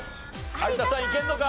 有田さんいけるのか？